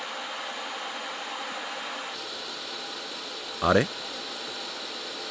あれ？